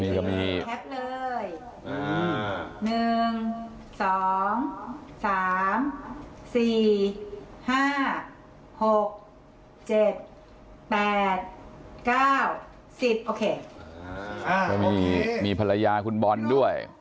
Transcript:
ช่วยกันนะคะ